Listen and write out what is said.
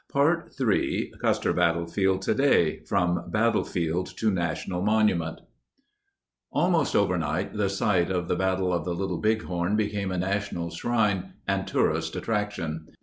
89 Part 3 Custer Battlefield Today From Battlefield to National Monument Almost overnight the site of the Battle of the Little Bighorn became a national shrine and tourist attrac tion.